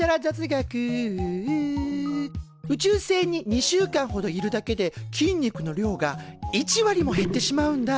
宇宙船に２週間ほどいるだけで筋肉の量が１割も減ってしまうんだ。